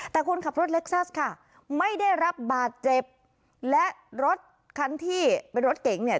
แต่คนขับรถเล็กซัสค่ะไม่ได้รับบาดเจ็บและรถคันที่เป็นรถเก๋งเนี่ย